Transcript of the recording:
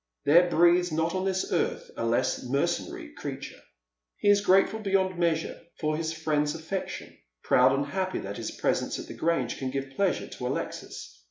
There breathes not on this earth a less mercenary creature. He is grateful beyond measure for his friend's afEection, proud and happy that his presence at the Grange can give pleasure to Alexis.